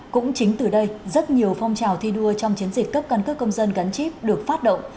cũng chính từ đây rất nhiều phong trào thi đua trong chiến dịch cấp căn cước công dân gắn chip được phát động